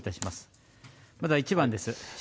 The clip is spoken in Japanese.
まずは１番です。